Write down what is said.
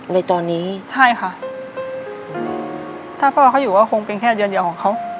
ในตอนนี้ใช่ค่ะถ้าพ่อเขาอยู่ก็คงเป็นแค่เดือนเดียวของเขา